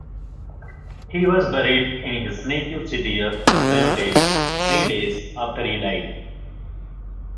He was buried in his native city of Jinotepe three days after he died.